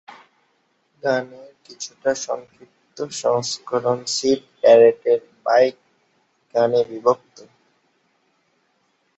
গানের কিছুটা সংক্ষিপ্ত সংস্করণ সিড ব্যারেটের "বাইক" গানে বিভক্ত।